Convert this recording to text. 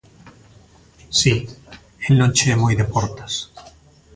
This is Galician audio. Si, el non che é moi de portas.